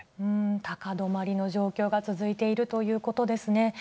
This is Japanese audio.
高止まりの状況が続いているということですね。